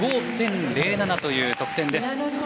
７５．０７という得点です。